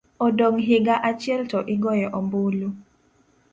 odong' higa achiel to igoyo ombulu.